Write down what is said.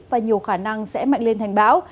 và nhiều khả năng sẽ mạnh lên thành báo